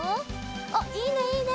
あっいいねいいね！